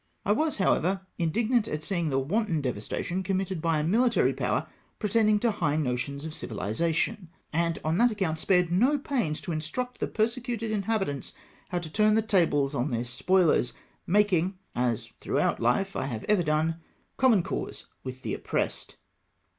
I was, however, indignant at seeing the wanton devastation committed by a mihtary power, pretending to high notions of civihsation, and on that account spared no pains to instruct the persecuted inhabitants how to turn the tables on their spoilers ; making — as throughout hfe I have ever done — com mon cause with the oppressed.